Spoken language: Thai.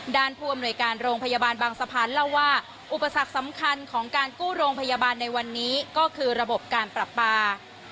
ผู้อำนวยการโรงพยาบาลบางสะพานเล่าว่าอุปสรรคสำคัญของการกู้โรงพยาบาลในวันนี้ก็คือระบบการปรับปลา